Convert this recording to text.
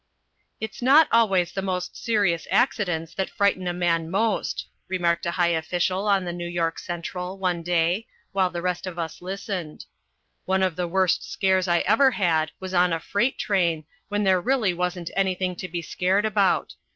"It's not always the most serious accidents that frighten a man most," remarked a high official on the New York Central, one day, while the rest of us listened. "One of the worst scares I ever had was on a freight train when there really wasn't anything to be scared about.